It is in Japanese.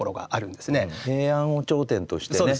平安を頂点としてね